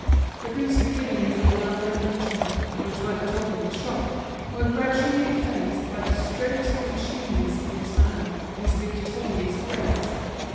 But these beginnings of a love adventurer, which were the talk of the shop, were gradually effaced by the strokes of genius of this man, his victorious grace.